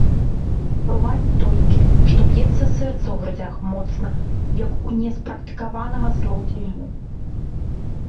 Чуваць толькі, што б'ецца сэрца ў грудзях моцна, як у неспрактыкаванага злодзея.